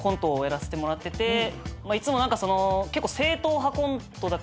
いつも何か結構。